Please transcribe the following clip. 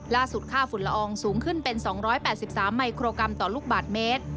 ค่าฝุ่นละอองสูงขึ้นเป็น๒๘๓มิโครกรัมต่อลูกบาทเมตร